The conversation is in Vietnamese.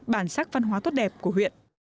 bản sắc văn hóa tốt đẹp của huyện